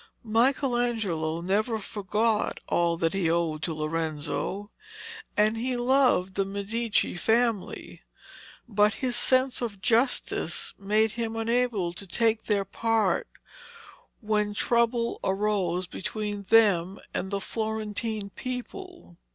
Michelangelo never forgot all that he owed to Lorenzo, and he loved the Medici family, but his sense of justice made him unable to take their part when trouble arose between them and the Florentine people.